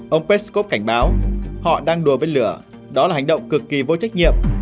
ông peskov cảnh báo họ đang đùa với lửa đó là hành động cực kỳ vô trách nhiệm